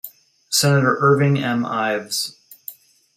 Senator Irving M. Ives.